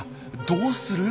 どうする？